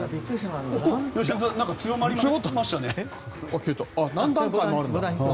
良純さん強まりましたね。